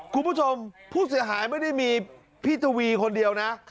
คุณผู้ชมผู้เสียหายไม่ได้มีพี่ทวีคนเดียวนะ